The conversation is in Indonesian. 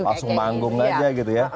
langsung manggung aja gitu ya